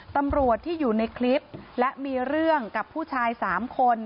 ตำรวจที่อยู่ในคลิปและมีเรื่องกับผู้ชาย๓คน